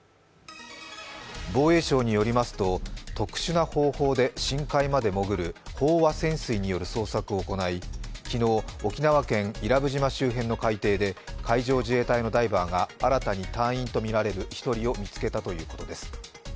防衛省によりますと特殊な方法で深海まで潜る飽和潜水による捜索を行い、昨日、沖縄県伊良部島周辺の海底で海上自衛隊のダイバーが新たに隊員とみられる１人を見つけたということです。